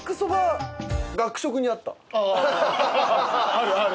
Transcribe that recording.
あるある。